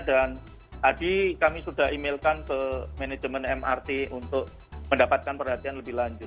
dan tadi kami sudah emailkan ke manajemen mrt untuk mendapatkan perhatian lebih lanjut